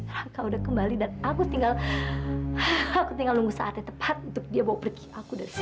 hah kau udah kembali dan aku tinggal aku tinggal nunggu saatnya tepat untuk dia bawa pergi aku dari sini